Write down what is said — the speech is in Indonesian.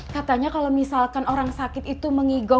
katanya kalau misalkan orang sakit itu mengigot